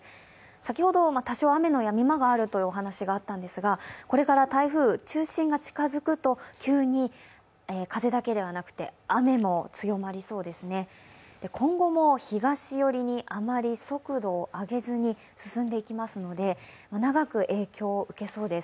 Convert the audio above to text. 先ほど多少雨のやみ間があるというお話があったんですがこれから台風、中心が近づくと急に風だけではなくて雨も強まりそうですね、今後も東寄りにあまり速度を上げずに進んでいきますので長く影響を受けそうです。